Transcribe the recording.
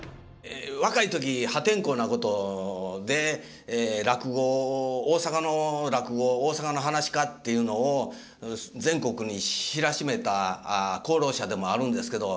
若い時破天荒なことで落語大阪の落語大阪のはなし家っていうのを全国に知らしめた功労者でもあるんですけど。